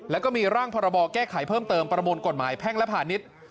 แล้วก็มีร่างพรบแก้ไขเพิ่มเติมประมวลกฎหมายแพ่งและพาณิชย์